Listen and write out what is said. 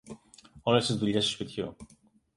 Όλες τις δουλειές του σπιτιού.